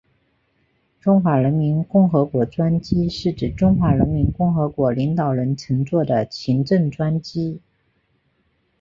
中华人民共和国专机是指中华人民共和国领导人乘坐的行政专机。